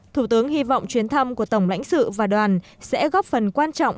thủ tướng hy vọng chuyến thăm của tổng lãnh sự và đoàn sẽ góp phần quan trọng